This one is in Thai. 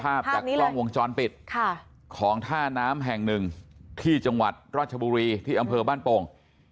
ภาพจากกล้องวงจรปิดของท่าน้ำแห่งหนึ่งที่จังหวัดราชบุรีที่อำเภอบ้านโป่ง